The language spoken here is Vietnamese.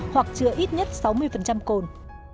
hoặc chứa ít nhất sáu mươi cồn